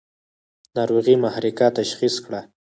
ناروغي محرقه تشخیص کړه.